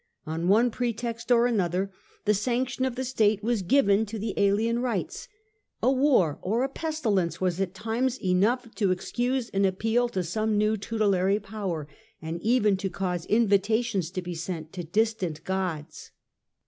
On one pretext or another, the sanction of the state was given to the alien rites; a war or a pestilence was at times enough to excuse an appeal to some new tutelary power, and even to cause invitations to be sent to distant gods.